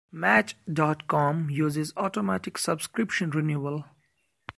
Match dot com uses automatic subscription renewal.